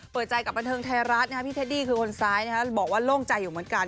เปิดใจกับบันเทิงไทยรัฐพี่เทดดี้คือคนซ้ายบอกว่าโล่งใจอยู่เหมือนกัน